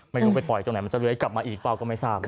ไม่รู้ไปปล่อยตรงไหนมันจะเลื้อยกลับมาอีกเปล่าก็ไม่ทราบ